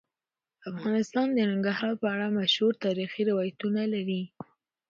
افغانستان د ننګرهار په اړه مشهور تاریخی روایتونه لري.